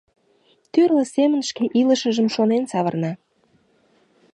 Тӱрлӧ семын шке илышыжым шонен савырна.